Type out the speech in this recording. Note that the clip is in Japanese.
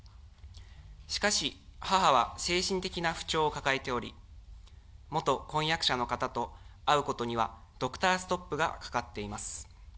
しかし、母は精神的な不調を抱えており、元婚約者の方と会うことにはドクターストップがかかっています。